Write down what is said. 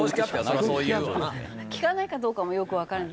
効かないかどうかもよくわからない。